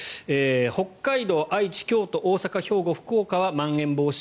北海道、愛知、京都、大阪兵庫、福岡はまん延防止